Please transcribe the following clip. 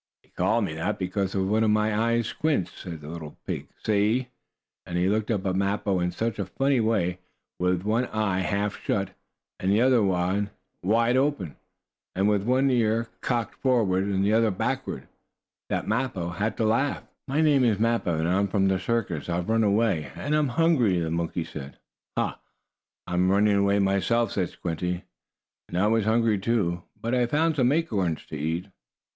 "They call me that because one of my eyes squints," said the little pig. "See!" and he looked up at Mappo in such a funny way, with one eye half shut, and the other wide open, and with one ear cocked forward and the other backward, that Mappo had to laugh. "My name is Mappo, and I'm from the circus. I've run away, and I'm hungry," the monkey said. "Ha! I'm running away myself," said Squinty, "and I was hungry too, but I found some acorns to eat."